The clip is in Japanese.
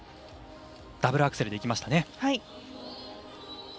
ダブルアクセルでいきましたね。